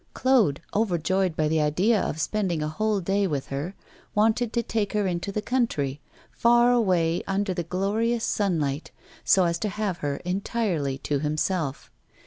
Claude, overjoyed by the idea of spending a whole day with her, wanted to take her into the country, far away under the glorious sunlight, so as to have her entirely to himself.